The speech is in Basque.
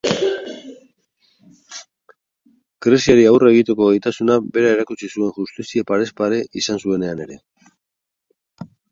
Krisiari aurre egiteko gaitasun bera erakutsi zuen justizia parez pare izan zuenean ere.